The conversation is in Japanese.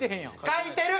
書いてる。